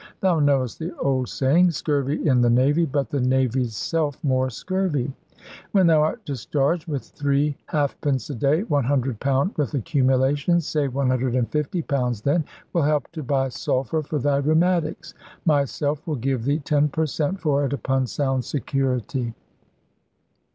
Thou knowest the old saying, 'Scurvy in the Navy; but the Navy's self more scurvy!' When thou art discharged with three halfpence a day, one hundred pound with accumulations, say £150 then, will help to buy sulphur for thy rheumatics. Myself will give thee ten per cent for it, upon sound security."